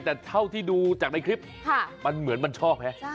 แต่เท่าที่ดูจากในคลิปมันเหมือนมันชอบฮะ